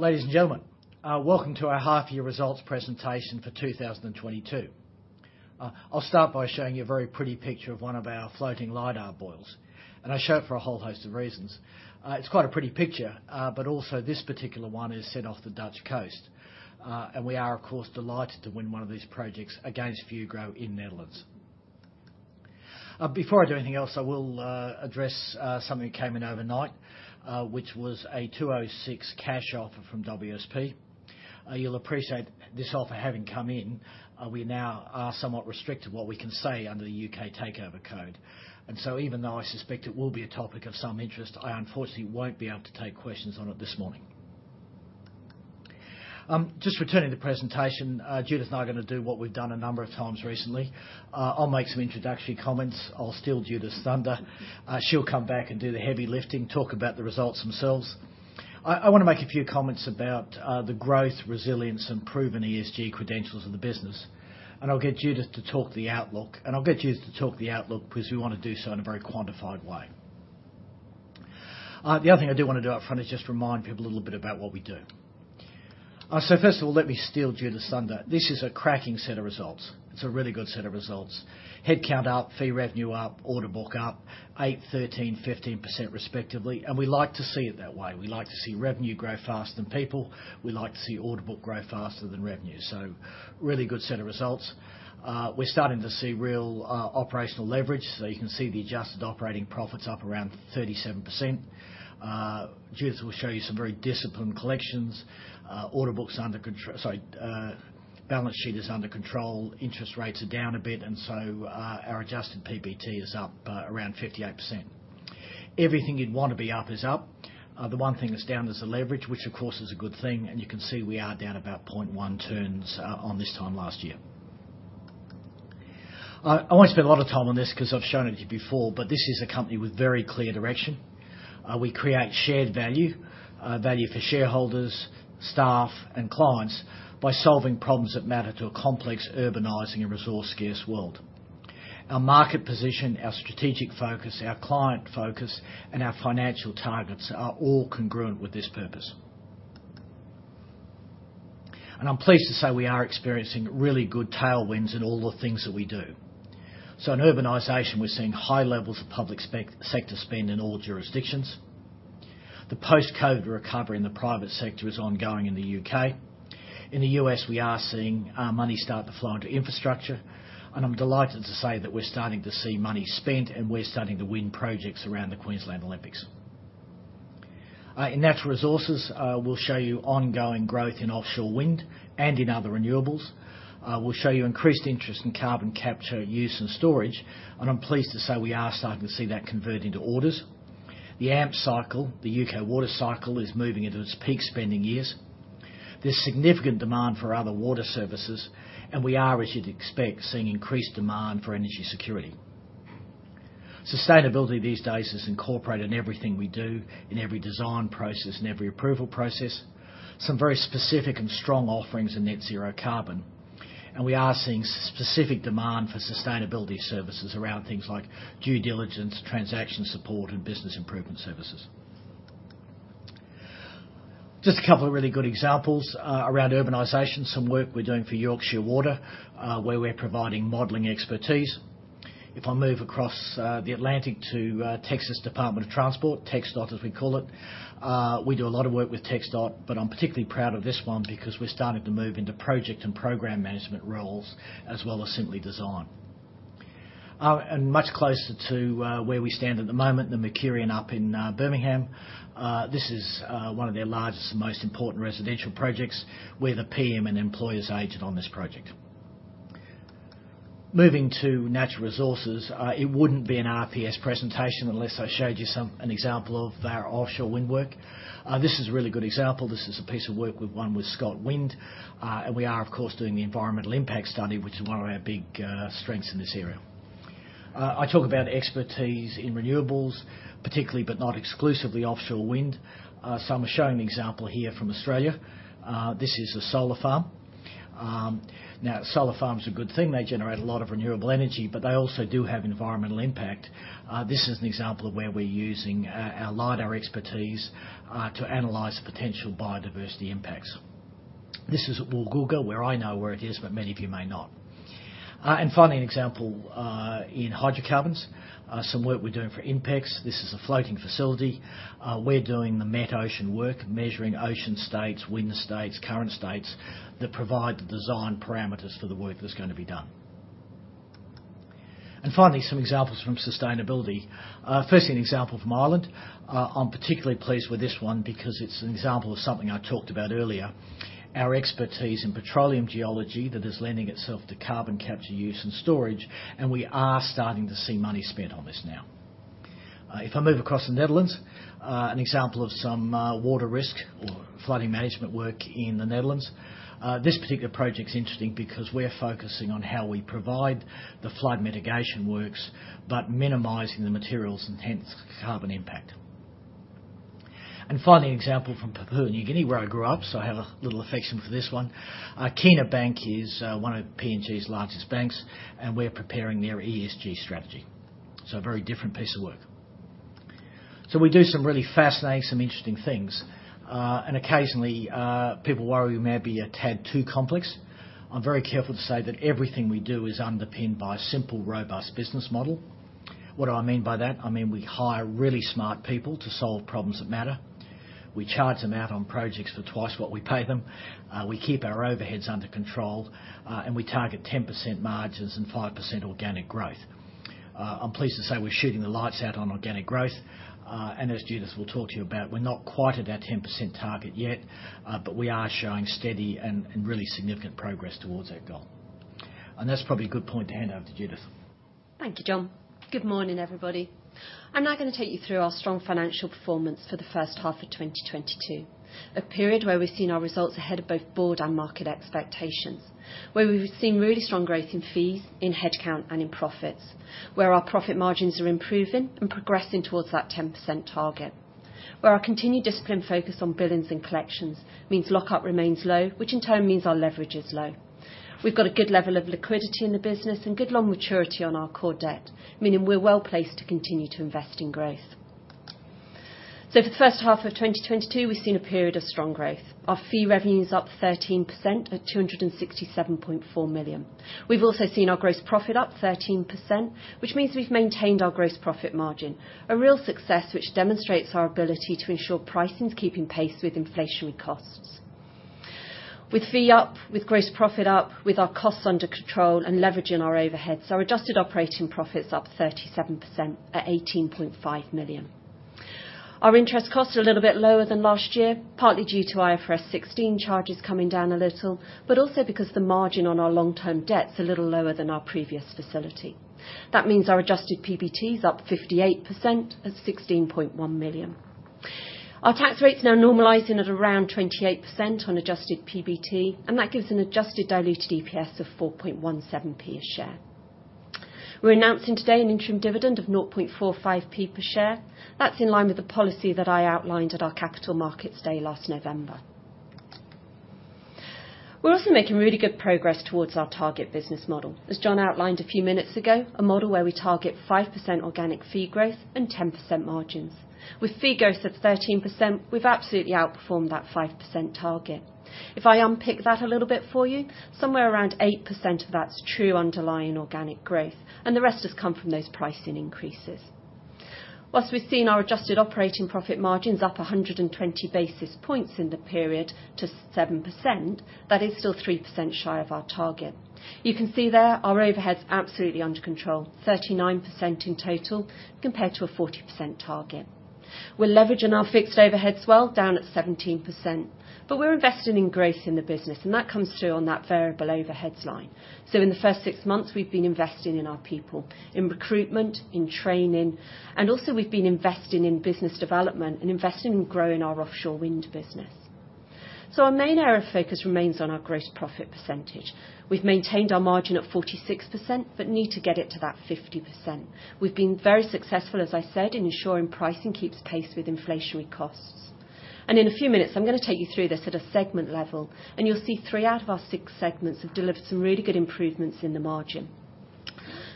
Ladies and gentlemen, welcome to our half year results presentation for 2022. I'll start by showing you a very pretty picture of one of our floating LIDAR buoys, and I show it for a whole host of reasons. It's quite a pretty picture, but also this particular one is set off the Dutch coast. We are, of course, delighted to win one of these projects against Fugro in the Netherlands. Before I do anything else, I will address something that came in overnight, which was a 2.06 cash offer from WSP. You'll appreciate this offer having come in, we now are somewhat restricted what we can say under the U.K. Takeover Code. Even though I suspect it will be a topic of some interest, I unfortunately won't be able to take questions on it this morning. Just returning to presentation, Judith and I are gonna do what we've done a number of times recently. I'll make some introductory comments. I'll steal Judith's thunder. She'll come back and do the heavy lifting, talk about the results themselves. I wanna make a few comments about the growth, resilience, and proven ESG credentials of the business. I'll get Judith to talk the outlook because we wanna do so in a very quantified way. The other thing I do wanna do up front is just remind people a little bit about what we do. First of all, let me steal Judith's thunder. This is a cracking set of results. It's a really good set of results. Headcount up, fee revenue up, order book up. 8%, 13%, 15% respectively, and we like to see it that way. We like to see revenue grow faster than people. We like to see order book grow faster than revenue. Really good set of results. We're starting to see real operational leverage. You can see the adjusted operating profit's up around 37%. Judith will show you some very disciplined collections. Balance sheet is under control. Interest rates are down a bit, our adjusted PBT is up around 58%. Everything you'd wanna be up is up. The one thing that's down is the leverage, which of course is a good thing. You can see we are down about 0.1 turns on this time last year. I won't spend a lot of time on this 'cause I've shown it to you before, but this is a company with very clear direction. We create shared value for shareholders, staff, and clients by solving problems that matter to a complex urbanizing and resource scarce world. Our market position, our strategic focus, our client focus, and our financial targets are all congruent with this purpose. I'm pleased to say we are experiencing really good tailwinds in all the things that we do. In urbanization, we're seeing high levels of public sector spend in all jurisdictions. The post-COVID recovery in the private sector is ongoing in the U.K. In the U.S., we are seeing money start to flow into infrastructure. I'm delighted to say that we're starting to see money spent, and we're starting to win projects around the Queensland Olympics. In natural resources, we'll show you ongoing growth in offshore wind and in other renewables. We'll show you increased interest in carbon capture use and storage, and I'm pleased to say we are starting to see that convert into orders. The AMP cycle, the U.K. water cycle, is moving into its peak spending years. There's significant demand for other water services, and we are, as you'd expect, seeing increased demand for energy security. Sustainability these days is incorporated in everything we do, in every design process, in every approval process. Some very specific and strong offerings in net zero carbon. We are seeing specific demand for sustainability services around things like due diligence, transaction support, and business improvement services. Just a couple of really good examples around urbanization. Some work we're doing for Yorkshire Water, where we're providing modeling expertise. If I move across the Atlantic to Texas Department of Transportation, TxDOT as we call it, we do a lot of work with TxDOT, but I'm particularly proud of this one because we're starting to move into project and program management roles as well as simply design. Much closer to where we stand at the moment, The Mercian up in Birmingham. This is one of their largest and most important residential projects. We're the PM and employer's agent on this project. Moving to natural resources, it wouldn't be an RPS presentation unless I showed you some an example of our offshore wind work. This is a really good example. This is a piece of work we've won with ScotWind. We are of course doing the environmental impact study, which is one of our big strengths in this area. I talk about expertise in renewables, particularly, but not exclusively, offshore wind. I'm showing an example here from Australia. This is a solar farm. Now solar farms are a good thing. They generate a lot of renewable energy, but they also do have environmental impact. This is an example of where we're using our LIDAR expertise to analyze the potential biodiversity impacts. This is Woolgoolga, where I know where it is, but many of you may not. Finally, an example in hydrocarbons, some work we're doing for INPEX. This is a floating facility. We're doing the metocean work, measuring ocean states, wind states, current states that provide the design parameters for the work that's gonna be done. Finally, some examples from sustainability. Firstly, an example from Ireland. I'm particularly pleased with this one because it's an example of something I talked about earlier, our expertise in petroleum geology that is lending itself to carbon capture use and storage, and we are starting to see money spent on this now. If I move across to the Netherlands, an example of some water risk or flooding management work in the Netherlands. This particular project's interesting because we're focusing on how we provide the flood mitigation works, but minimizing the materials and hence carbon impact. Finally, an example from Papua New Guinea, where I grew up, so I have a little affection for this one. Kina Bank is one of PNG's largest banks, and we're preparing their ESG strategy. A very different piece of work. We do some really fascinating, some interesting things. Occasionally, people worry we may be a tad too complex. I'm very careful to say that everything we do is underpinned by a simple, robust business model. What do I mean by that? I mean, we hire really smart people to solve problems that matter. We charge them out on projects for twice what we pay them. We keep our overheads under control, and we target 10% margins and 5% organic growth. I'm pleased to say we're shooting the lights out on organic growth. As Judith will talk to you about, we're not quite at that 10% target yet, but we are showing steady and really significant progress towards that goal. That's probably a good point to hand over to Judith. Thank you, John. Good morning, everybody. I'm now gonna take you through our strong financial performance for the first half of 2022. A period where we've seen our results ahead of both board and market expectations, where we've seen really strong growth in fees, in head count, and in profits. Where our profit margins are improving and progressing towards that 10% target. Where our continued discipline focus on billings and collections means lockup remains low, which in turn means our leverage is low. We've got a good level of liquidity in the business and good long maturity on our core debt, meaning we're well-placed to continue to invest in growth. For the first half of 2022, we've seen a period of strong growth. Our fee revenue is up 13% at 267.4 million. We've also seen our gross profit up 13%, which means we've maintained our gross profit margin. A real success which demonstrates our ability to ensure pricing is keeping pace with inflationary costs. With fees up, with gross profit up, with our costs under control and leverage in our overheads, our adjusted operating profit's up 37% at 18.5 million. Our interest costs are a little bit lower than last year, partly due to IFRS 16 charges coming down a little, but also because the margin on our long-term debt is a little lower than our previous facility. That means our adjusted PBT is up 58% at 16.1 million. Our tax rate is now normalizing at around 28% on adjusted PBT, and that gives an adjusted diluted EPS of 4.17 a share. We're announcing today an interim dividend of 0.45 per share. That's in line with the policy that I outlined at our Capital Markets Day last November. We're also making really good progress towards our target business model. As John outlined a few minutes ago, a model where we target 5% organic fee growth and 10% margins. With fee growth of 13%, we've absolutely outperformed that 5% target. If I unpick that a little bit for you, somewhere around 8% of that's true underlying organic growth, and the rest has come from those pricing increases. Whilst we've seen our adjusted operating profit margins up 120 basis points in the period to 7%, that is still 3% shy of our target. You can see there our overhead's absolutely under control, 39% in total compared to a 40% target. We're leveraging our fixed overheads well, down at 17%. We're investing in growth in the business, and that comes through on that variable overheads line. In the first six months, we've been investing in our people, in recruitment, in training, and also we've been investing in business development and investing in growing our offshore wind business. Our main area of focus remains on our gross profit percentage. We've maintained our margin at 46%, but need to get it to that 50%. We've been very successful, as I said, in ensuring pricing keeps pace with inflationary costs. In a few minutes, I'm gonna take you through this at a segment level, and you'll see three out of our six segments have delivered some really good improvements in the margin.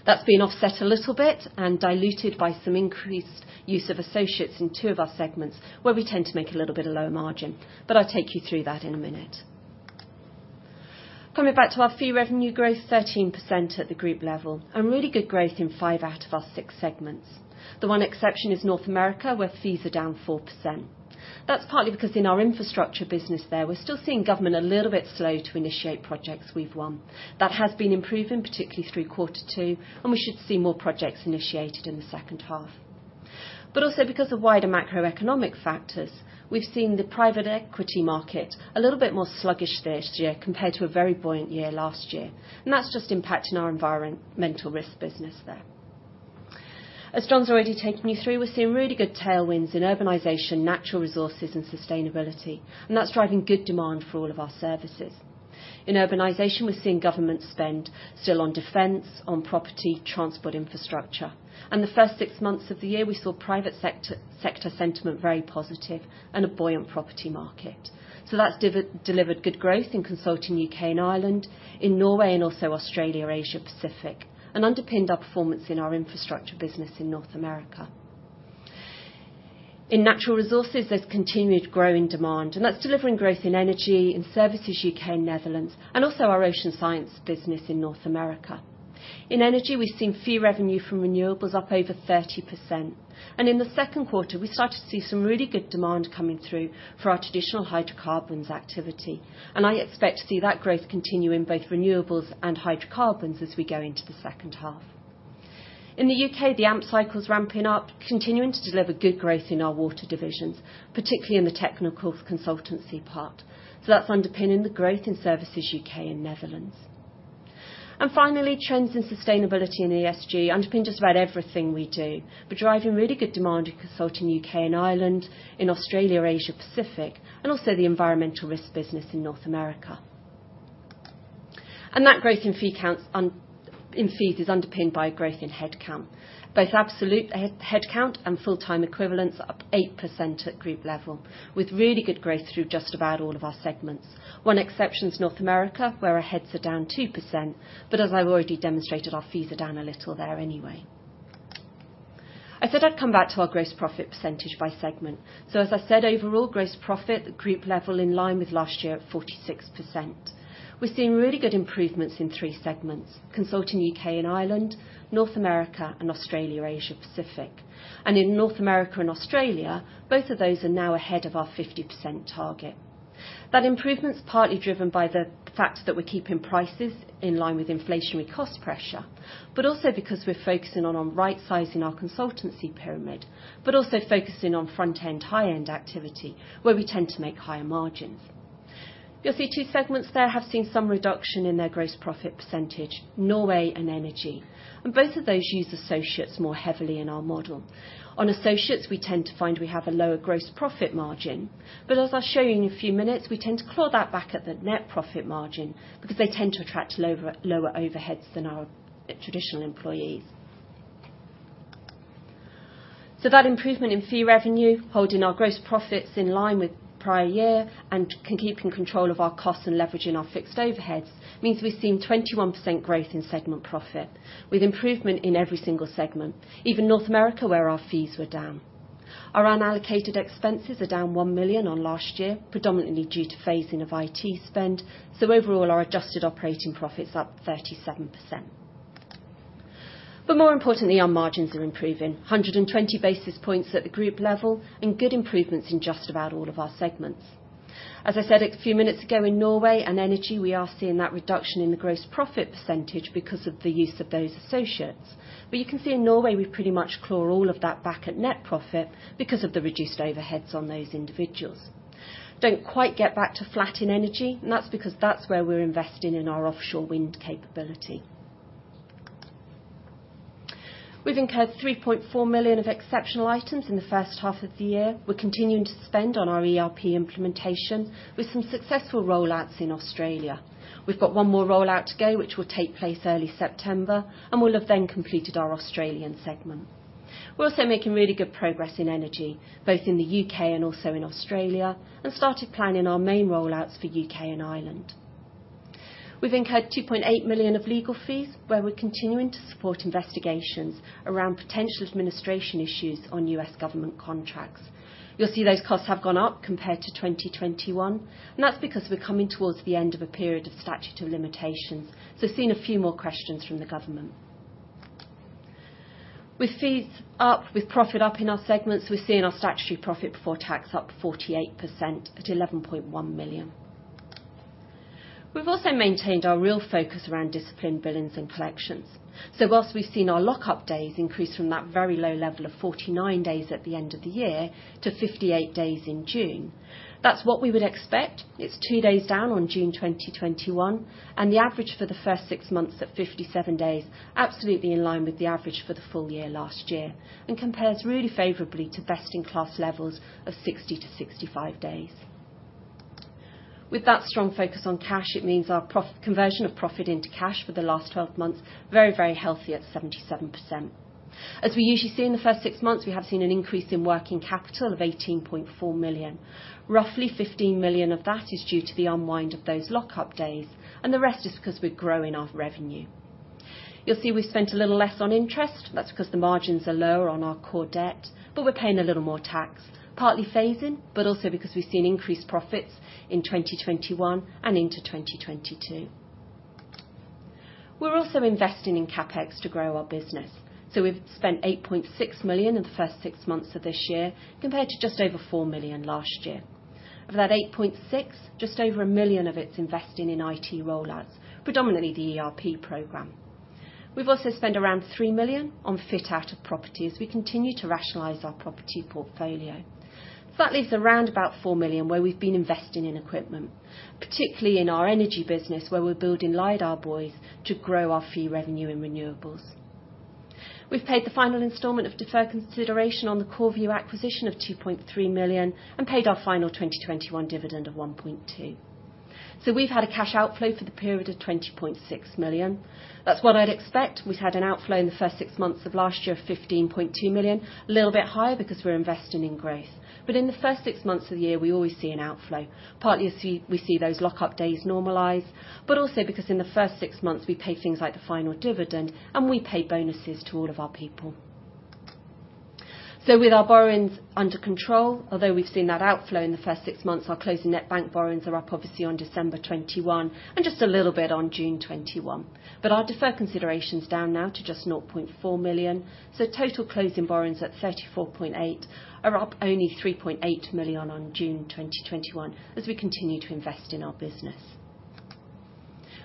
That's been offset a little bit and diluted by some increased use of associates in two of our segments, where we tend to make a little bit of lower margin. I'll take you through that in a minute. Coming back to our fee revenue growth, 13% at the group level, and really good growth in five out of our six segments. The one exception is North America, where fees are down 4%. That's partly because in our infrastructure business there, we're still seeing government a little bit slow to initiate projects we've won. That has been improving, particularly through quarter two, and we should see more projects initiated in the second half. also because of wider macroeconomic factors, we've seen the private equity market a little bit more sluggish this year compared to a very buoyant year last year. that's just impacting our environmental risk business there. As John's already taken you through, we're seeing really good tailwinds in urbanization, natural resources, and sustainability, and that's driving good demand for all of our services. In urbanization, we're seeing government spend still on defense, on property, transport infrastructure. The first six months of the year, we saw private sector sentiment very positive and a buoyant property market. that's delivered good growth in Consulting U.K. and Ireland, in Norway, and also Australia or Asia Pacific, and underpinned our performance in our infrastructure business in North America. In natural resources, there's continued growing demand, and that's delivering growth in Energy, in Services U.K. and Netherlands, and also our ocean science business in North America. In Energy, we've seen fee revenue from renewables up over 30%. In the second quarter, we started to see some really good demand coming through for our traditional hydrocarbons activity. I expect to see that growth continue in both renewables and hydrocarbons as we go into the second half. In the U.K., the AMP cycle's ramping up, continuing to deliver good growth in our water divisions, particularly in the technical consultancy part. That's underpinning the growth in Services U.K. and Netherlands. Finally, trends in sustainability and ESG underpin just about everything we do, but driving really good demand in Consulting U.K. and Ireland, in Australia or Asia Pacific, and also the environmental risk business in North America. That growth in fees is underpinned by a growth in head count. Both absolute head count and full-time equivalents are up 8% at group level, with really good growth through just about all of our segments. One exception is North America, where our heads are down 2%, but as I've already demonstrated, our fees are down a little there anyway. I said I'd come back to our gross profit percentage by segment. As I said, overall gross profit at group level in line with last year at 46%. We're seeing really good improvements in three segments, Consulting U.K. and Ireland, North America, and Australia, Asia Pacific. In North America and Australia, both of those are now ahead of our 50% target. That improvement's partly driven by the fact that we're keeping prices in line with inflationary cost pressure, but also because we're focusing on right-sizing our consultancy pyramid, but also focusing on front-end, high-end activity, where we tend to make higher margins. You'll see two segments there have seen some reduction in their gross profit percentage, Norway and Energy, and both of those use associates more heavily in our model. On associates, we tend to find we have a lower gross profit margin, but as I'll show you in a few minutes, we tend to claw that back at the net profit margin because they tend to attract lower overheads than our traditional employees. That improvement in fee revenue, holding our gross profits in line with prior year and keeping control of our costs and leveraging our fixed overheads means we're seeing 21% growth in segment profit, with improvement in every single segment, even North America, where our fees were down. Our unallocated expenses are down 1 million on last year, predominantly due to phasing of IT spend, so overall, our adjusted operating profit's up 37%. More importantly, our margins are improving, 120 basis points at the group level and good improvements in just about all of our segments. As I said a few minutes ago, in Norway and Energy, we are seeing that reduction in the gross profit percentage because of the use of those associates. You can see in Norway, we pretty much claw all of that back at net profit because of the reduced overheads on those individuals. Don't quite get back to flat in Energy, and that's because that's where we're investing in our offshore wind capability. We've incurred 3.4 million of exceptional items in the first half of the year. We're continuing to spend on our ERP implementation with some successful rollouts in Australia. We've got one more rollout to go, which will take place early September, and we'll have then completed our Australian segment. We're also making really good progress in Energy, both in the U.K. and also in Australia, and started planning our main rollouts for U.K. and Ireland. We've incurred 2.8 million of legal fees, where we're continuing to support investigations around potential administration issues on U.S. government contracts. You'll see those costs have gone up compared to 2021, and that's because we're coming towards the end of a period of statute of limitations. We've seen a few more questions from the government. With fees up, with profit up in our segments, we're seeing our statutory profit before tax up 48% at 11.1 million. We've also maintained our real focus around disciplined billings and collections. Whilst we've seen our lock-up days increase from that very low level of 49 days at the end of the year to 58 days in June, that's what we would expect. It's two days down on June 2021, and the average for the first six months at 57 days absolutely in line with the average for the full year last year and compares really favorably to best-in-class levels of 60-65 days. With that strong focus on cash, it means our conversion of profit into cash for the last 12 months, very, very healthy at 77%. As we usually see in the first six months, we have seen an increase in working capital of 18.4 million. Roughly 15 million of that is due to the unwind of those lock-up days, and the rest is because we're growing our revenue. You'll see we've spent a little less on interest. That's because the margins are lower on our core debt, but we're paying a little more tax, partly phasing, but also because we've seen increased profits in 2021 and into 2022. We're also investing in CapEx to grow our business. We've spent 8.6 million in the first six months of this year, compared to just over 4 million last year. Of that 8.6 million, just over 1 million of it's investing in IT rollouts, predominantly the ERP program. We've also spent around 3 million on fit out of properties. We continue to rationalize our property portfolio. That leaves around about 4 million, where we've been investing in equipment, particularly in our energy business, where we're building LIDAR buoys to grow our fee revenue in renewables. We've paid the final installment of deferred consideration on the Corview acquisition of 2.3 million and paid our final 2021 dividend of 1.2 million. We've had a cash outflow for the period of 20.6 million. That's what I'd expect. We've had an outflow in the first six months of last year of 15.2 million, a little bit higher because we're investing in growth. In the first six months of the year, we always see an outflow, partly as we see those lock-up days normalize, but also because in the first six months, we pay things like the final dividend, and we pay bonuses to all of our people. With our borrowings under control, although we've seen that outflow in the first six months, our closing net bank borrowings are up obviously on December 2021 and just a little bit on June 2021. Our deferred consideration's down now to just 0.4 million. Total closing borrowings at 34.8 million are up only 3.8 million on June 2021 as we continue to invest in our business.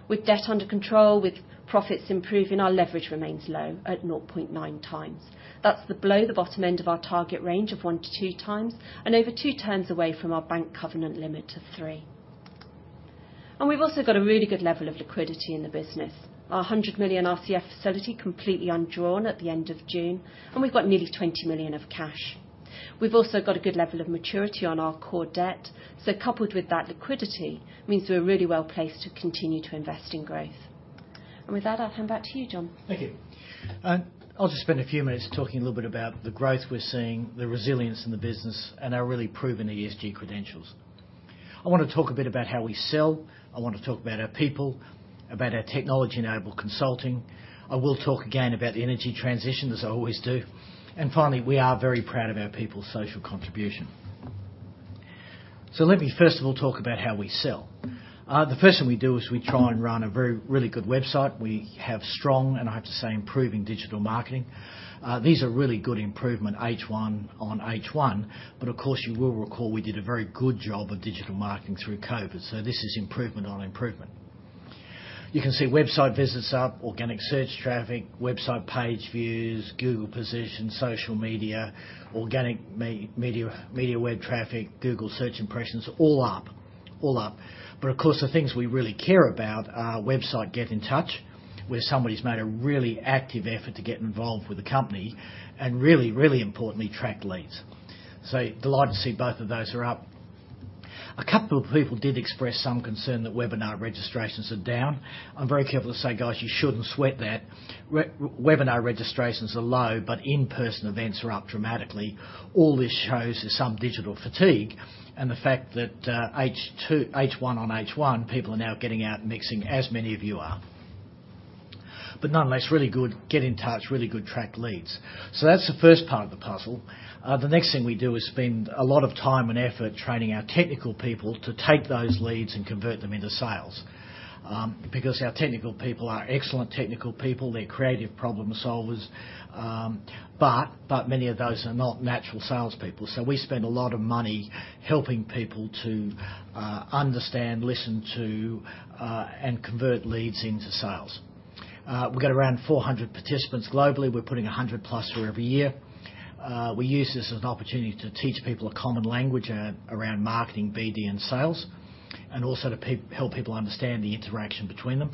With debt under control, with profits improving, our leverage remains low at 0.9x. That's below the bottom end of our target range of 1-2x and over 2x away from our bank covenant limit of 3. We've also got a really good level of liquidity in the business. Our 100 million RCF facility completely undrawn at the end of June, and we've got nearly 20 million of cash. We've also got a good level of maturity on our core debt, coupled with that liquidity, means we're really well placed to continue to invest in growth. With that, I'll hand back to you, John. Thank you. I'll just spend a few minutes talking a little bit about the growth we're seeing, the resilience in the business, and our really proven ESG credentials. I wanna talk a bit about how we sell. I want to talk about our people, about our technology-enabled consulting. I will talk again about the energy transition, as I always do. And finally, we are very proud of our people's social contribution. Let me first of all talk about how we sell. The first thing we do is we try and run a very really good website. We have strong, and I have to say, improving digital marketing. These are really good improvement H1 on H1, but of course, you will recall we did a very good job of digital marketing through COVID, so this is improvement on improvement. You can see website visits up, organic search traffic, website page views, Google position, social media, organic media web traffic, Google search impressions, all up. All up. Of course, the things we really care about are website get in touch, where somebody's made a really active effort to get involved with the company, and really, really importantly, tracked leads. Delighted to see both of those are up. A couple of people did express some concern that webinar registrations are down. I'm very careful to say, "Guys, you shouldn't sweat that." Webinar registrations are low, but in-person events are up dramatically. All this shows is some digital fatigue and the fact that H2 on H1, people are now getting out and mixing, as many of you are. Nonetheless, really good get in touch, really good tracked leads. That's the first part of the puzzle. The next thing we do is spend a lot of time and effort training our technical people to take those leads and convert them into sales. Because our technical people are excellent technical people, they're creative problem solvers. Many of those are not natural salespeople. We spend a lot of money helping people to understand, listen to, and convert leads into sales. We get around 400 participants globally. We're putting 100+ through every year. We use this as an opportunity to teach people a common language around marketing, BD, and sales, and also to help people understand the interaction between them.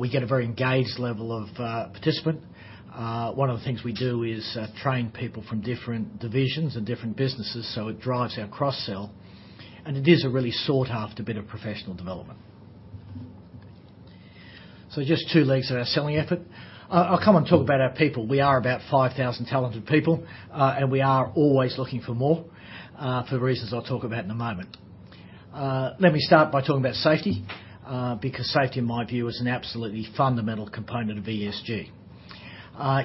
We get a very engaged level of participant. One of the things we do is train people from different divisions and different businesses so it drives our cross-sell, and it is a really sought-after bit of professional development. Just two legs of our selling effort. I'll come and talk about our people. We are about 5,000 talented people, and we are always looking for more, for the reasons I'll talk about in a moment. Let me start by talking about safety, because safety in my view is an absolutely fundamental component of ESG.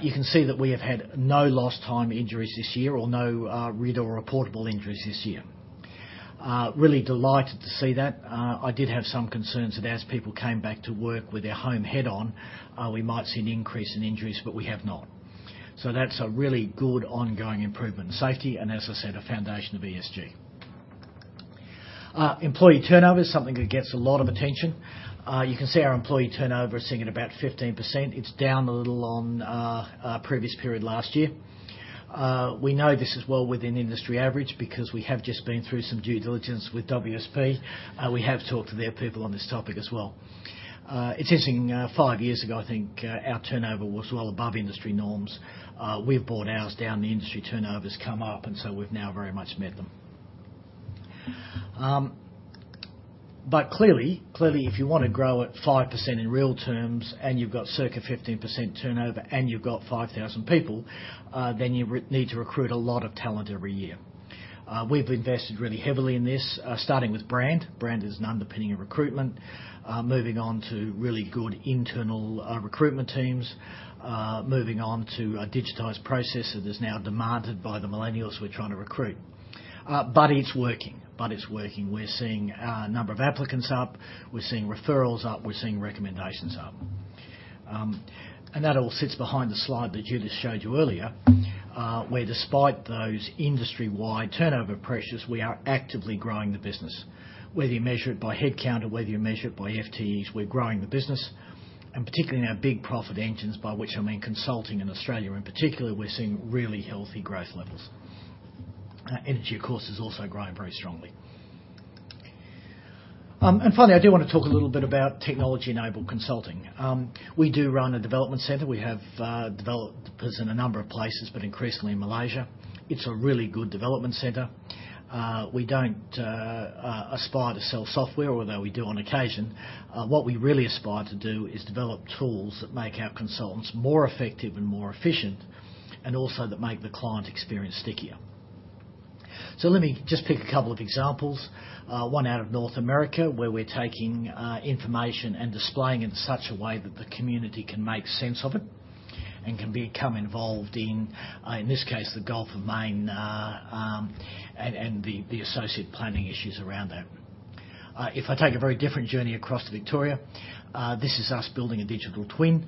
You can see that we have had no lost time injuries this year or no RIDDOR or reportable injuries this year. Really delighted to see that. I did have some concerns that as people came back to work with their home head on, we might see an increase in injuries, but we have not. That's a really good ongoing improvement in safety, and as I said, a foundation of ESG. Employee turnover is something that gets a lot of attention. You can see our employee turnover sitting at about 15%. It's down a little on previous period last year. We know this is well within industry average because we have just been through some due diligence with WSP. We have talked to their people on this topic as well. It's interesting, five years ago, I think, our turnover was well above industry norms. We've brought ours down. The industry turnover's come up, and so we've now very much met them. Clearly, if you wanna grow at 5% in real terms and you've got circa 15% turnover and you've got 5,000 people, then you need to recruit a lot of talent every year. We've invested really heavily in this, starting with brand. Brand is an underpinning of recruitment. Moving on to really good internal recruitment teams. Moving on to a digitized process that is now demanded by the millennials we're trying to recruit. But it's working. We're seeing our number of applicants up, we're seeing referrals up, we're seeing recommendations up. That all sits behind the slide that Judith showed you earlier, where despite those industry-wide turnover pressures, we are actively growing the business. Whether you measure it by head count or whether you measure it by FTEs, we're growing the business, and particularly in our big profit engines, by which I mean consulting in Australia. In particular, we're seeing really healthy growth levels. Energy, of course, is also growing very strongly. Finally, I do wanna talk a little bit about technology-enabled consulting. We do run a development center. We have developed this in a number of places, but increasingly in Malaysia. It's a really good development center. We don't aspire to sell software, although we do on occasion. What we really aspire to do is develop tools that make our consultants more effective and more efficient, and also that make the client experience stickier. Let me just pick a couple of examples, one out of North America, where we're taking information and displaying it in such a way that the community can make sense of it and can become involved in this case, the Gulf of Maine, and the associated planning issues around that. If I take a very different journey across to Victoria, this is us building a digital twin.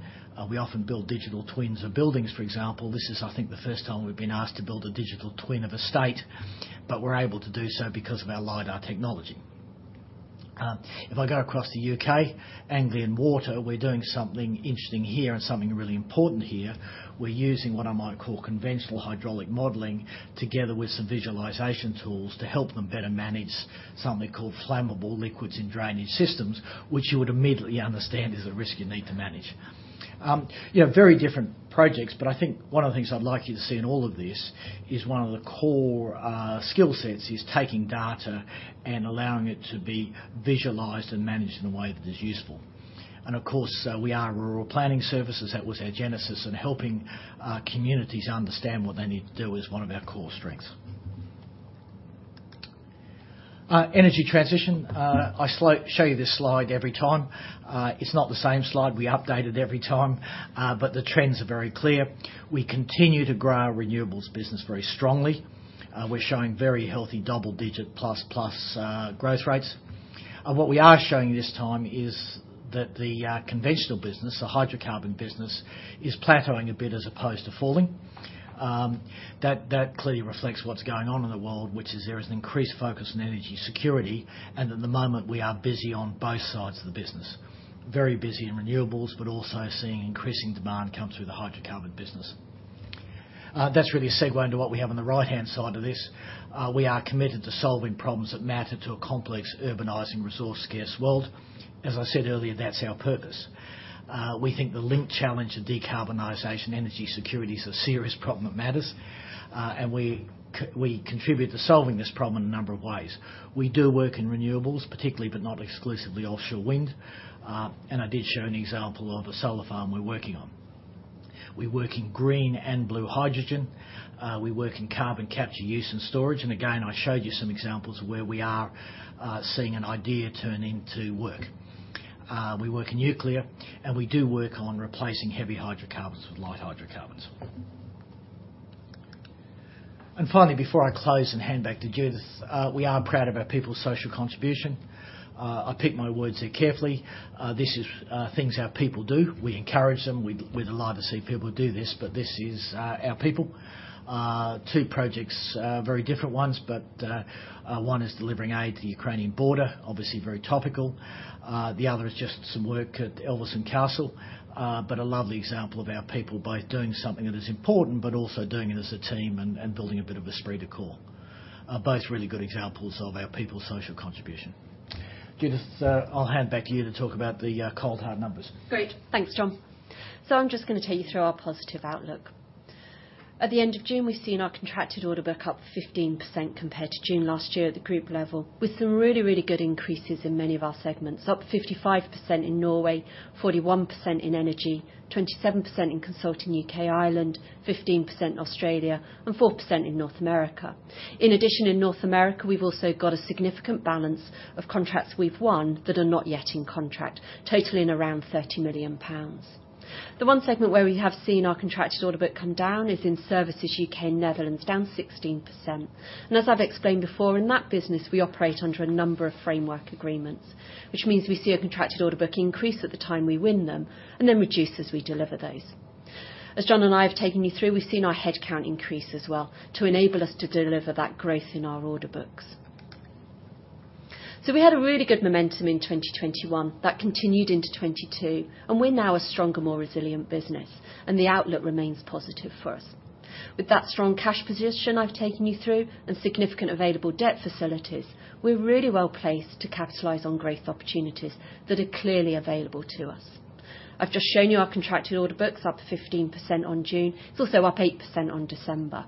We often build digital twins of buildings, for example. This is, I think, the first time we've been asked to build a digital twin of a state, but we're able to do so because of our LIDAR technology. If I go across to U.K., Anglian Water, we're doing something interesting here and something really important here. We're using what I might call conventional hydraulic modeling together with some visualization tools to help them better manage something called flammable liquids in drainage systems, which you would immediately understand is a risk you need to manage. You know, very different projects, but I think one of the things I'd like you to see in all of this is one of the core skill sets is taking data and allowing it to be visualized and managed in a way that is useful. Of course, we are rural planning services. That was our genesis in helping communities understand what they need to do is one of our core strengths. Energy transition. I show you this slide every time. It's not the same slide. We update it every time, but the trends are very clear. We continue to grow our renewables business very strongly. We're showing very healthy double-digit plus plus growth rates. What we are showing this time is that the conventional business, the hydrocarbon business, is plateauing a bit as opposed to falling. That clearly reflects what's going on in the world, which is there is an increased focus on energy security, and at the moment, we are busy on both sides of the business. Very busy in renewables, but also seeing increasing demand come through the hydrocarbon business. That's really a segue into what we have on the right-hand side of this. We are committed to solving problems that matter to a complex, urbanizing, resource-scarce world. As I said earlier, that's our purpose. We think the linked challenge of decarbonization energy security is a serious problem that matters, and we contribute to solving this problem in a number of ways. We do work in renewables, particularly, but not exclusively, offshore wind, and I did show an example of a solar farm we're working on. We work in green and blue hydrogen, we work in carbon capture use and storage, and again, I showed you some examples of where we are seeing an idea turn into work. We work in nuclear, and we do work on replacing heavy hydrocarbons with light hydrocarbons. Finally, before I close and hand back to Judith, we are proud of our people's social contribution. I pick my words here carefully. This is things our people do. We encourage them. We'd love to see people do this, but this is our people. Two projects, very different ones, but one is delivering aid to the Ukrainian border, obviously very topical. The other is just some work at Elvaston Castle, but a lovely example of our people both doing something that is important, but also doing it as a team and building a bit of esprit de corps. Both really good examples of our people's social contribution. Judith, I'll hand back to you to talk about the cold, hard numbers. Great. Thanks, John. I'm just gonna take you through our positive outlook. At the end of June, we've seen our contracted order book up 15% compared to June last year at the group level, with some really, really good increases in many of our segments. Up 55% in Norway, 41% in Energy, 27% in Consulting U.K. and Ireland, 15% in Australia, and 4% in North America. In addition, in North America, we've also got a significant balance of contracts we've won that are not yet in contract, totaling around 30 million pounds. The one segment where we have seen our contracted order book come down is in Services U.K. and Netherlands, down 16%. As I've explained before, in that business, we operate under a number of framework agreements, which means we see a contracted order book increase at the time we win them and then reduce as we deliver those. As John and I have taken you through, we've seen our head count increase as well to enable us to deliver that growth in our order books. We had a really good momentum in 2021. That continued into 2022, and we're now a stronger, more resilient business, and the outlook remains positive for us. With that strong cash position I've taken you through and significant available debt facilities, we're really well placed to capitalize on growth opportunities that are clearly available to us. I've just shown you our contracted order books, up 15% on June. It's also up 8% on December.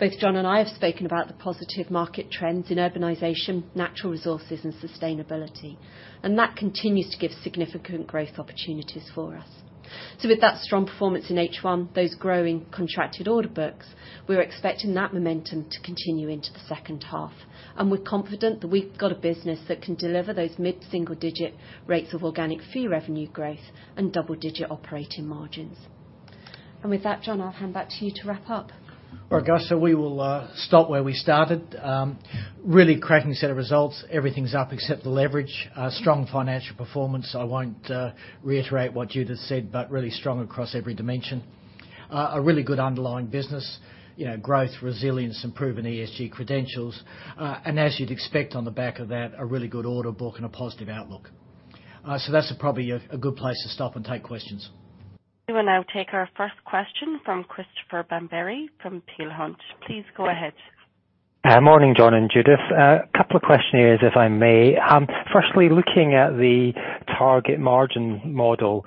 Both John and I have spoken about the positive market trends in urbanization, natural resources, and sustainability, and that continues to give significant growth opportunities for us. With that strong performance in H1, those growing contracted order books, we're expecting that momentum to continue into the second half, and we're confident that we've got a business that can deliver those mid-single digit rates of organic fee revenue growth and double-digit operating margins. With that, John, I'll hand back to you to wrap up. All right, guys, we will stop where we started. Really cracking set of results. Everything's up except the leverage. Strong financial performance. I won't reiterate what Judith said, but really strong across every dimension. A really good underlying business. You know, growth, resilience, improving ESG credentials. As you'd expect on the back of that, a really good order book and a positive outlook. That's probably a good place to stop and take questions. We will now take our first question from Christopher Bamberry from Peel Hunt. Please go ahead. Morning, John and Judith. A couple of questions, if I may. Firstly, looking at the target margin model,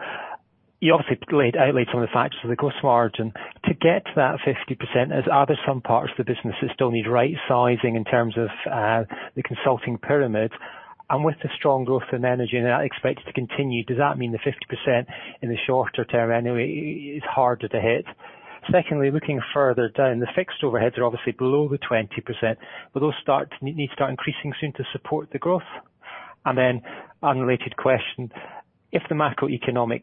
you obviously laid out some of the outlook for the gross margin. To get to that 50%, are there some parts of the business that still need rightsizing in terms of the consulting pyramid? With the strong growth in energy and that expected to continue, does that mean the 50% in the shorter term anyway is harder to hit? Secondly, looking further down, the fixed overheads are obviously below the 20%. Will those need to start increasing soon to support the growth? Unrelated question, if the macroeconomic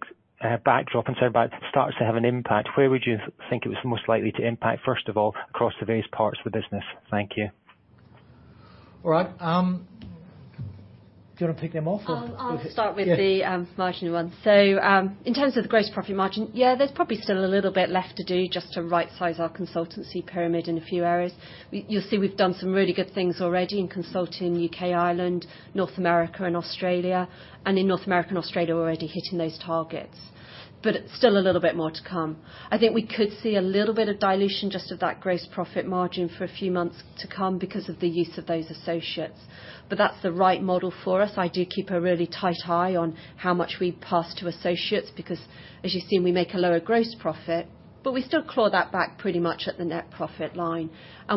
backdrop concerns start to have an impact, where would you think it was most likely to impact, first of all, across the various parts of the business? Thank you. All right. Do you wanna pick them off or? I'll start with the margin one. In terms of the gross profit margin, yeah, there's probably still a little bit left to do just to right-size our consultancy pyramid in a few areas. You'll see we've done some really good things already in Consulting U.K. and Ireland, North America, and Australia, and in North America and Australia, we're already hitting those targets. It's still a little bit more to come. I think we could see a little bit of dilution just of that gross profit margin for a few months to come because of the use of those associates. That's the right model for us. I do keep a really tight eye on how much we pass to associates because as you've seen, we make a lower gross profit, but we still claw that back pretty much at the net profit line.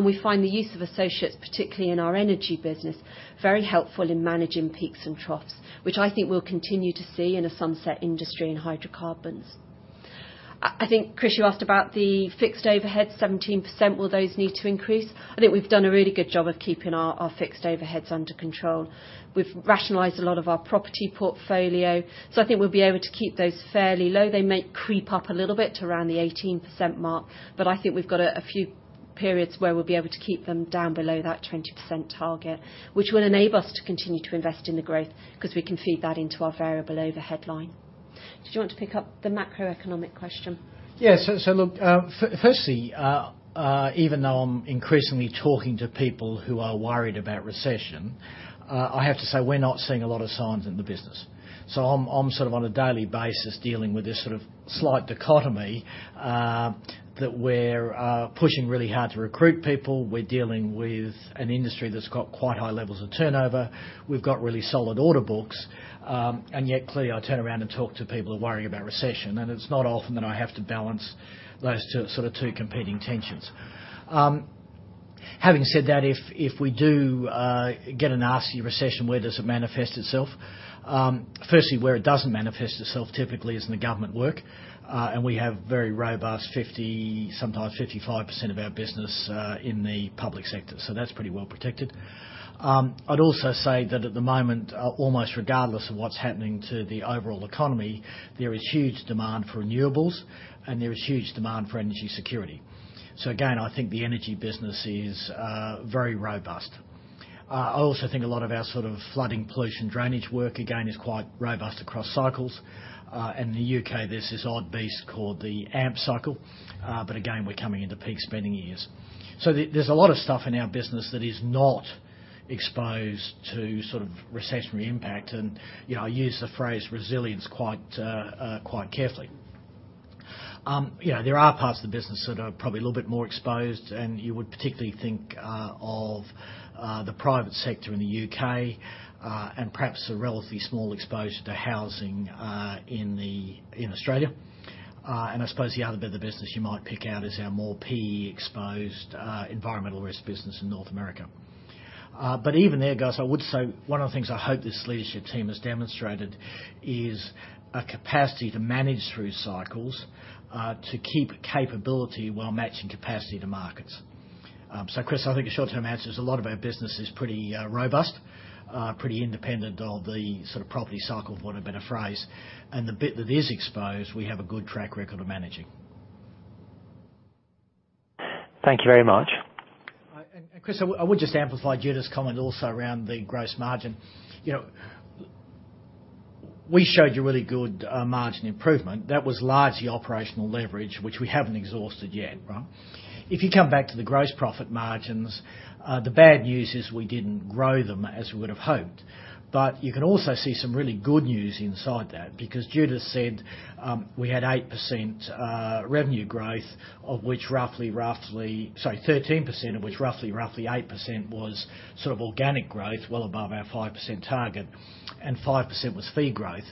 We find the use of associates, particularly in our energy business, very helpful in managing peaks and troughs, which I think we'll continue to see in a sunset industry in hydrocarbons. I think, Chris, you asked about the fixed overhead, 17%, will those need to increase? I think we've done a really good job of keeping our fixed overheads under control. We've rationalized a lot of our property portfolio, so I think we'll be able to keep those fairly low. They may creep up a little bit to around the 18% mark, but I think we've got a few periods where we'll be able to keep them down below that 20% target, which will enable us to continue to invest in the growth because we can feed that into our variable overhead line. Did you want to pick up the macroeconomic question? Yes. Look, firstly, even though I'm increasingly talking to people who are worried about recession, I have to say we're not seeing a lot of signs in the business. I'm sort of on a daily basis dealing with this sort of slight dichotomy that we're pushing really hard to recruit people. We're dealing with an industry that's got quite high levels of turnover. We've got really solid order books. Yet clearly I turn around and talk to people who are worrying about recession, and it's not often that I have to balance those two sort of competing tensions. Having said that, if we do get a nasty recession, where does it manifest itself? Firstly, where it doesn't manifest itself typically is in the government work. We have very robust 50%, sometimes 55% of our business in the public sector, so that's pretty well protected. I'd also say that at the moment, almost regardless of what's happening to the overall economy, there is huge demand for renewables and there is huge demand for energy security. Again, I think the energy business is very robust. I also think a lot of our sort of flooding pollution drainage work, again, is quite robust across cycles. In the U.K., there's this odd beast called the AMP cycle. Again, we're coming into peak spending years. There's a lot of stuff in our business that is not exposed to sort of recessionary impact. You know, I use the phrase resilience quite carefully. You know, there are parts of the business that are probably a little bit more exposed, and you would particularly think of the private sector in the U.K., and perhaps a relatively small exposure to housing in Australia. I suppose the other bit of the business you might pick out is our more PE exposed environmental risk business in North America. Even there, guys, I would say one of the things I hope this leadership team has demonstrated is a capacity to manage through cycles to keep capability while matching capacity to markets. Chris, I think the short term answer is a lot of our business is pretty robust, pretty independent of the sort of property cycle, for want of a better phrase. The bit that is exposed, we have a good track record of managing. Thank you very much. Chris, I would just amplify Judith's comment also around the gross margin. You know, we showed you really good margin improvement. That was largely operational leverage, which we haven't exhausted yet, right? If you come back to the gross profit margins, the bad news is we didn't grow them as we would have hoped. You can also see some really good news inside that, because Judith said, we had 8% revenue growth, of which roughly Sorry, 13%, of which roughly 8% was sort of organic growth, well above our 5% target, and 5% was fee growth.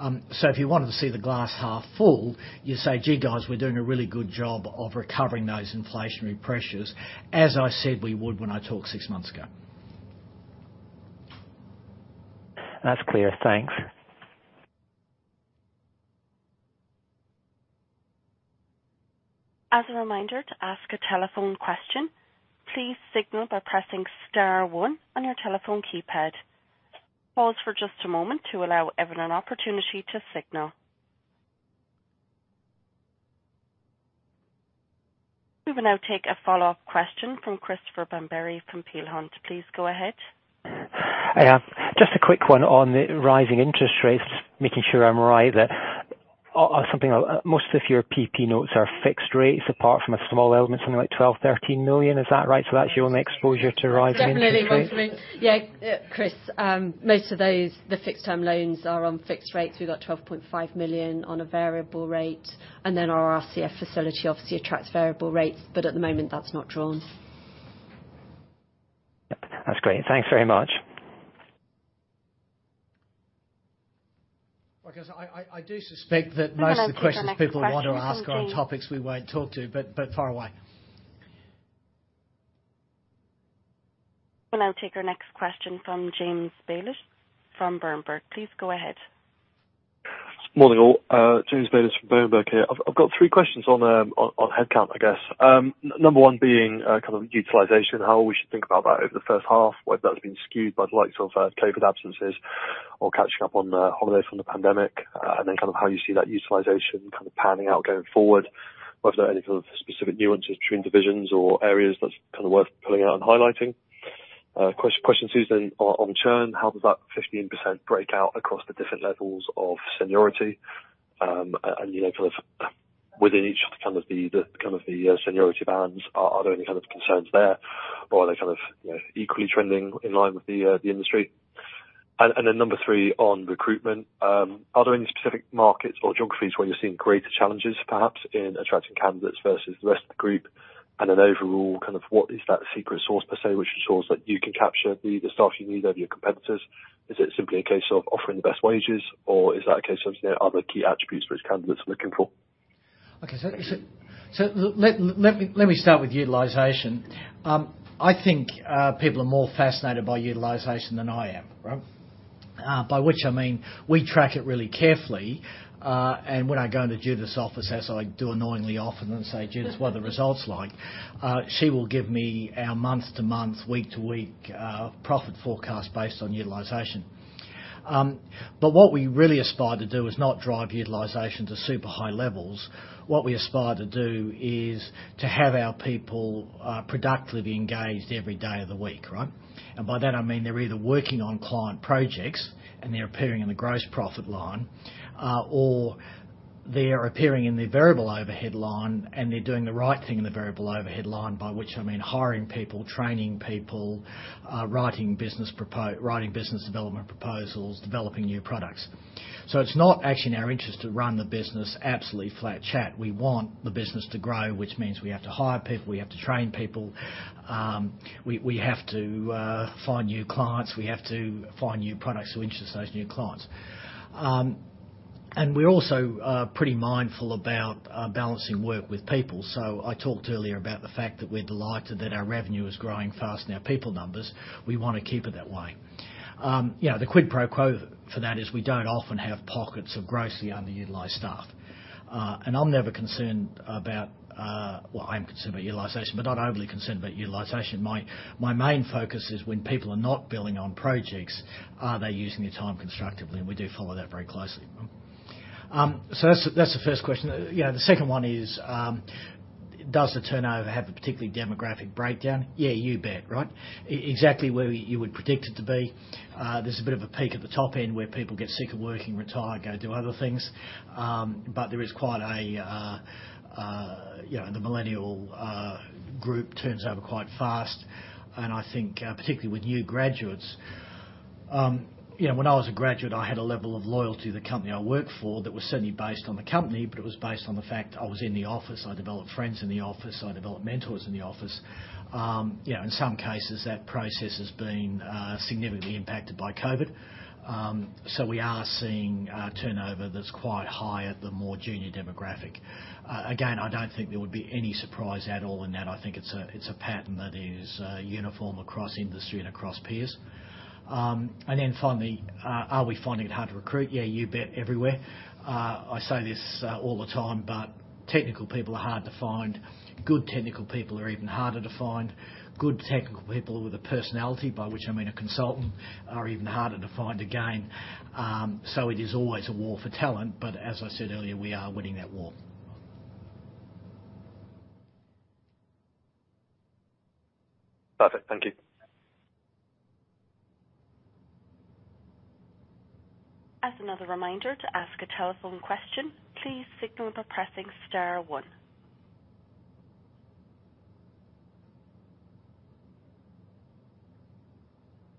If you wanted to see the glass half full, you say, "Gee, guys, we're doing a really good job of recovering those inflationary pressures, as I said we would when I talked six months ago. That's clear. Thanks. As a reminder, to ask a telephone question, please signal by pressing star one on your telephone keypad. Pause for just a moment to allow everyone an opportunity to signal. We will now take a follow-up question from Christopher Bamberry from Peel Hunt. Please go ahead. I have just a quick one on the rising interest rates, making sure I'm right that something like most of your PP notes are fixed rates apart from a small element, something like 12 million-13 million. Is that right? That's your only exposure to rising interest rates? Definitely, yeah. Yeah, Chris, most of those, the fixed term loans are on fixed rates. We've got 12.5 million on a variable rate, and then our RCF facility obviously attracts variable rates, but at the moment that's not drawn. Yep. That's great. Thanks very much. Because I do suspect that most of the questions. We'll now take our next question from James Bayliss. People want to ask are on topics we won't talk to, but fire away. We'll now take our next question from James Bayliss from Berenberg. Please go ahead. Morning, all. James Bayliss from Berenberg here. I've got three questions on headcount, I guess. Number one being kind of utilization, how we should think about that over the first half, whether that's been skewed by the likes of COVID absences or catching up on holiday from the pandemic, and then kind of how you see that utilization kind of panning out going forward. Whether there are any kind of specific nuances between divisions or areas that's kind of worth pulling out and highlighting. Question, two is on, on churn, how does that 15% break out across the different levels of seniority? And you know, kind of within each of the kind of the seniority bands, are there any kind of concerns there? Are they kind of, you know, equally trending in line with the industry? Number three on recruitment, are there any specific markets or geographies where you're seeing greater challenges perhaps in attracting candidates versus the rest of the group? Overall, kind of what is that secret sauce per se, which ensures that you can capture the staff you need over your competitors? Is it simply a case of offering the best wages, or is that a case of, you know, other key attributes which candidates are looking for? Let me start with utilization. I think people are more fascinated by utilization than I am, right? By which I mean, we track it really carefully, and when I go into Judith's office, as I do annoyingly often and say, "Judith, what are the results like?" She will give me our month-to-month, week-to-week profit forecast based on utilization. What we really aspire to do is not drive utilization to super high levels. What we aspire to do is to have our people productively engaged every day of the week, right? By that I mean they're either working on client projects, and they're appearing in the gross profit line, or they're appearing in the variable overhead line, and they're doing the right thing in the variable overhead line, by which I mean hiring people, training people, writing business development proposals, developing new products. It's not actually in our interest to run the business absolutely flat chat. We want the business to grow, which means we have to hire people, we have to train people, we have to find new clients, we have to find new products to interest those new clients. We're also pretty mindful about balancing work with people. I talked earlier about the fact that we're delighted that our revenue is growing faster than our people numbers. We wanna keep it that way. You know, the quid pro quo for that is we don't often have pockets of grossly underutilized staff. I am never concerned about. Well, I am concerned about utilization, but not overly concerned about utilization. My main focus is when people are not billing on projects, are they using their time constructively? We do follow that very closely. That's the first question. You know, the second one is, does the turnover have a particular demographic breakdown? Yeah, you bet, right? Exactly where you would predict it to be. There's a bit of a peak at the top end where people get sick of working, retire, go do other things. There is quite a you know, the millennial group turns over quite fast. I think, particularly with new graduates, you know, when I was a graduate, I had a level of loyalty to the company I worked for that was certainly based on the company, but it was based on the fact I was in the office, I developed friends in the office, I developed mentors in the office. You know, in some cases that process has been significantly impacted by COVID. We are seeing turnover that's quite high at the more junior demographic. Again, I don't think there would be any surprise at all in that. I think it's a pattern that is uniform across industry and across peers. Finally, are we finding it hard to recruit? Yeah, you bet, everywhere. I say this all the time, but technical people are hard to find. Good technical people are even harder to find. Good technical people with a personality, by which I mean a consultant, are even harder to find, again. It is always a war for talent, but as I said earlier, we are winning that war. Perfect. Thank you. As another reminder, to ask a telephone question, please signal by pressing star one.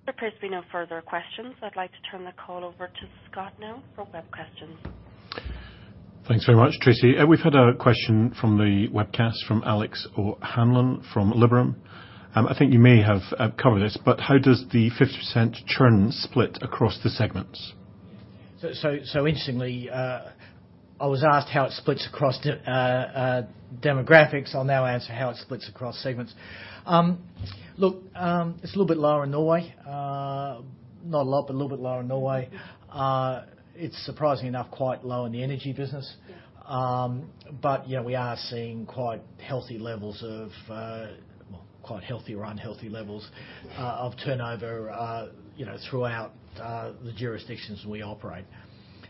There appears to be no further questions. I'd like to turn the call over to Scott now for web questions. Thanks very much, Tracy. We've had a question from the webcast from Alex O'Hanlon from Liberum. I think you may have covered this, but how does the 50% churn split across the segments? Interestingly, I was asked how it splits across demographics. I'll now answer how it splits across segments. Look, it's a little bit lower in Norway. Not a lot, but a little bit lower in Norway. It's surprisingly enough quite low in the Energy business. Yeah, we are seeing quite healthy levels of, well, quite healthy or unhealthy levels, of turnover, you know, throughout, the jurisdictions we operate.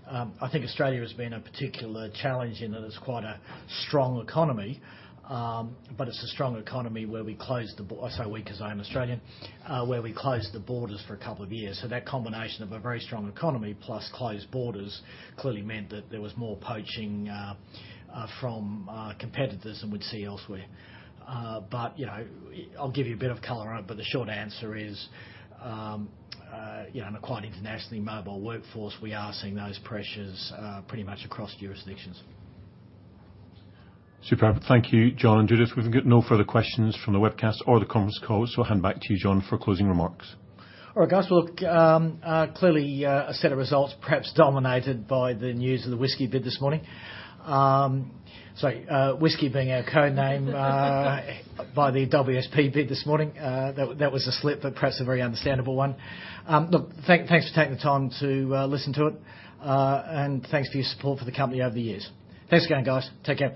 I think Australia has been a particular challenge in that it's quite a strong economy, but it's a strong economy where we closed the b. I say "we" 'cause I am Australian, where we closed the borders for a couple of years. That combination of a very strong economy plus closed borders clearly meant that there was more poaching from competitors than we'd see elsewhere. You know, I'll give you a bit of color on it, but the short answer is, you know, in a quite internationally mobile workforce, we are seeing those pressures pretty much across jurisdictions. Superb. Thank you, John and Judith. We've got no further questions from the webcast or the conference call, so I'll hand back to you, John, for closing remarks. All right, guys. Well, clearly, a set of results perhaps dominated by the news of the Whiskey bid this morning. Sorry, Whiskey being our code name, by the WSP bid this morning. That was a slip, but perhaps a very understandable one. Look, thanks for taking the time to listen to it, and thanks for your support for the company over the years. Thanks again, guys. Take care.